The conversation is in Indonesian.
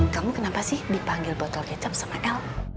kamu kenapa sih dipanggil botol kecap sama l